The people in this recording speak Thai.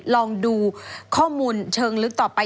ลองดูข้อมูลเชิงลึกต่อไป